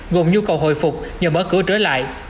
gồm nhu cầu hồi phục nhờ mở cửa trở lại